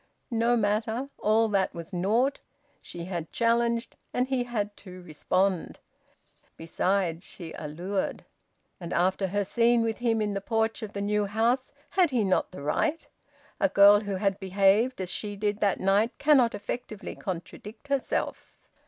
No matter! All that was naught. She had challenged, and he had to respond. Besides, she allured... And, after her scene with him in the porch of the new house, had he not the right? ... A girl who had behaved as she did that night cannot effectively contradict herself!